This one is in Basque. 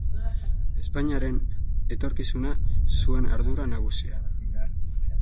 Espainiaren etorkizuna zuen ardura nagusia.